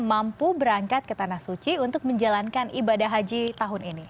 mampu berangkat ke tanah suci untuk menjalankan ibadah haji tahun ini